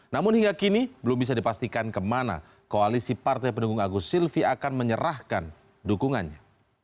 namun hingga kini belum bisa dipastikan kemana koalisi partai pendukung agus silvi akan menyerahkan dukungannya